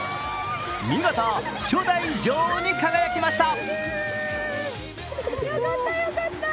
見事、初代女王に輝きました。